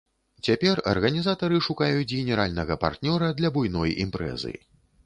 Цяпер арганізатары шукаюць генеральнага партнёра для буйной імпрэзы.